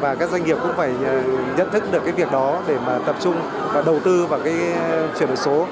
và các doanh nghiệp cũng phải nhận thức được cái việc đó để mà tập trung và đầu tư vào cái chuyển đổi số